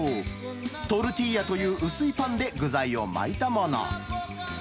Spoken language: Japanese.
トルティーヤという薄いパンで具材を巻いたもの。